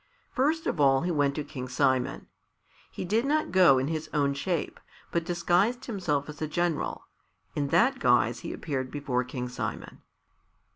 First of all he went to King Simon. He did not go in his own shape, but disguised himself as a general. In that guise he appeared before King Simon.